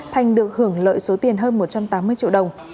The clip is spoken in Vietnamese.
thành được hưởng lợi số tiền hơn một trăm tám mươi triệu đồng